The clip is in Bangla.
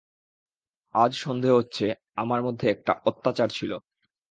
আজ সন্দেহ হচ্ছে আমার মধ্যে একটা অত্যাচার ছিল।